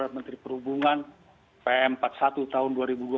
menteri perhubungan pm empat puluh satu tahun dua ribu dua puluh